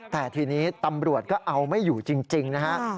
แต่ทีนี้ตำรวจก็เอาไม่อยู่จริงนะฮะ